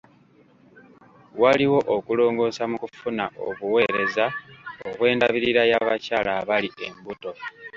Waliwo okulongoosa mu kufuna obuweereza obw'endabirira y'abakyala abali embuto.